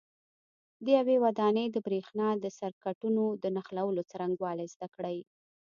د یوې ودانۍ د برېښنا د سرکټونو د نښلولو څرنګوالي زده کړئ.